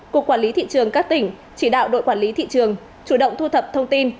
cục quản lý thị trường các tỉnh chỉ đạo đội quản lý thị trường chủ động thu thập thông tin